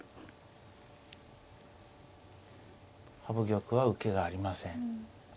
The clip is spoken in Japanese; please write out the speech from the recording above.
羽生玉は受けがありません。